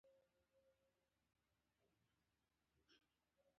د کاسیوس نسب پېژندنې او سیاسي مطالعات په ډاګه کوي.